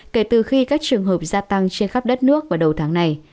kể từ khi các trường hợp gia tăng trên khắp đất nước vào đầu tháng này